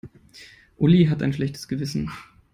Uli hat ein schlechtes Gewissen.